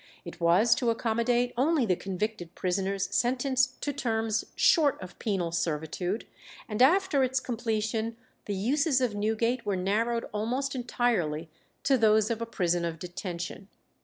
It was to accommodate only the convicted prisoners sentenced to terms short of penal servitude, and after its completion the uses of Newgate were narrowed almost entirely to those of a prison of detention.